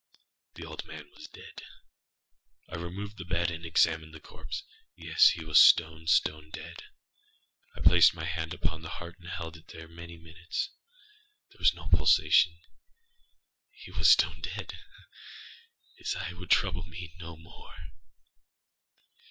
The old man was dead. I removed the bed and examined the corpse. Yes, he was stone, stone dead. I placed my hand upon the heart and held it there many minutes. There was no pulsation. He was stone dead. His eye would trouble me no more.